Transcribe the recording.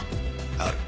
ある。